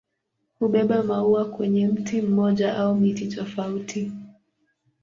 Hubeba maua kwenye mti mmoja au miti tofauti.